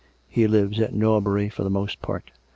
He lives at Norbury for the most part.